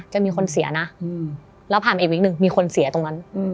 จะมีคนเสียนะแล้วผ่านไปอีกวิกหนึ่งมีคนเสียตรงนั้น